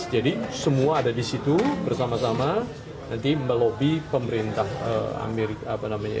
jadi semua ada di situ bersama sama nanti melobby pemerintah amerika apa namanya ya